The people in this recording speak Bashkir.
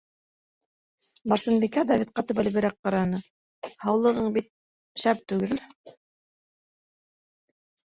- Барсынбикә Давидҡа төбәлеберәк ҡараны. - һаулығың бит... шәп түгел.